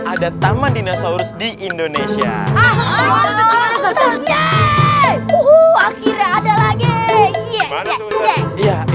ada taman dinosaurus di indonesia akhirnya ada lagi